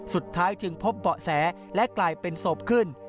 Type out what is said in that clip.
สุดท้ายจึงพบเบาะแสและกลายเป็นศพขึ้น